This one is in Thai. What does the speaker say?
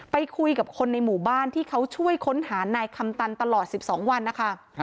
ไปคุยกับคนในหมู่บ้านที่เขาช่วยค้นหานายคำตันตลอด๑๒วันนะคะ